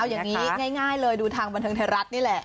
เอางี้ง่ายเลยดูทางบรรเทิงไทรรัสนี่แหละ